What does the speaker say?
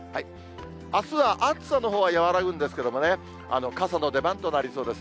あすは暑さのほうは和らぐんですけれどもね、傘の出番となりそうです。